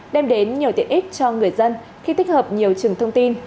đem đến nhiều tiện ích cho người dân khi tích hợp nhiều trường thông tin